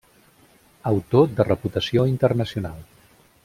Autor de reputació internacional.